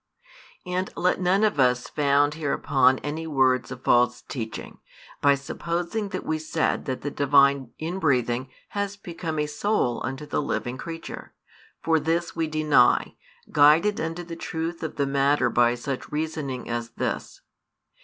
And let none of us found hereupon any words of false teaching, by supposing that we said that the Divine inbreathing has become a soul unto the living creature; for this we deny, guided unto the truth of the matter by such reasoning as this.